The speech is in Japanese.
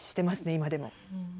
今でも。